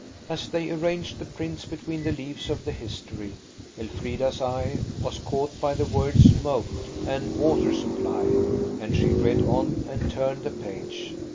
As they arranged the prints between the leaves of the History Elfrida's eye was caught by the words "moat" and "water supply," and she read on and turned the page.